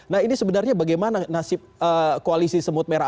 nah ini sebenarnya bagaimana nasib koalisi semut merah